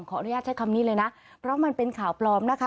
อนุญาตใช้คำนี้เลยนะเพราะมันเป็นข่าวปลอมนะคะ